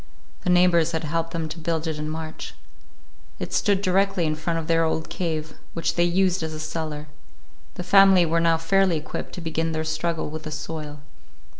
The neighbors had helped them to build it in March. It stood directly in front of their old cave, which they used as a cellar. The family were now fairly equipped to begin their struggle with the soil.